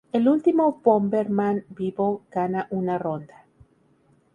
El último Bomberman vivo gana una ronda.